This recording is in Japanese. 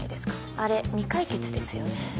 あれ未解決ですよね？